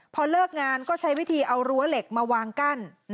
พอเลิกงานก็ใช้วิธีเอารั้วเหล็กมาวางกั้น